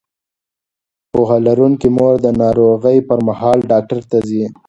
پوهه لرونکې مور د ناروغۍ پر مهال ډاکټر ته ځي.